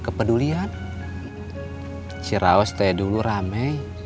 kepedulian ceraus teh dulu rame